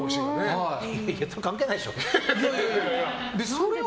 関係ないでしょ。